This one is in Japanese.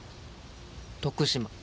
徳島。